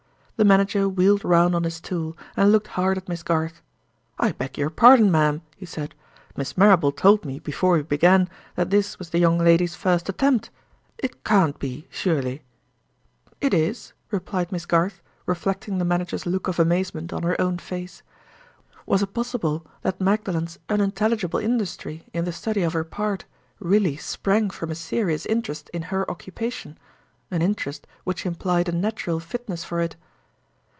The manager wheeled round on his stool, and looked hard at Miss Garth. "I beg your pardon, ma'am," he said. "Miss Marrable told me, before we began, that this was the young lady's first attempt. It can't be, surely!" "It is," replied Miss Garth, reflecting the manager's look of amazement on her own face. Was it possible that Magdalen's unintelligible industry in the study of her part really sprang from a serious interest in her occupation—an interest which implied a natural fitness for it?